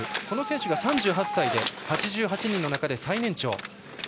この選手は３８歳で８８人の中で最年長。